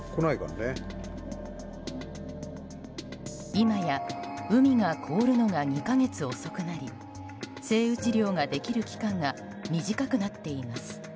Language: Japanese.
今や、海が凍るのが２か月遅くなりセイウチ猟ができる期間が短くなっています。